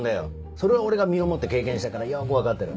それは俺が身をもって経験したからよく分かってる。